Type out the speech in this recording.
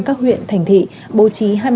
các huyện thành thị bố trí hai mươi một